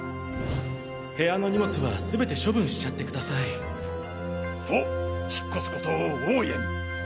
部屋の荷物は全て処分しちゃってくだと引っ越すことを大家に。